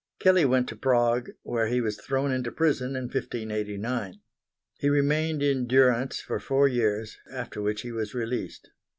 Kelley went to Prague where he was thrown into prison in 1589. He remained in durance for four years after which he was released.